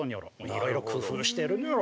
いろいろ工夫してるニョロ。